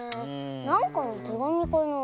なんかのてがみかなあ。